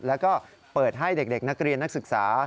แล้วก็เปิดให้เด็กนักเรียนนักศึกษา